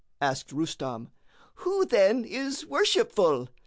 Asked Rustam, "Who then is worshipful?"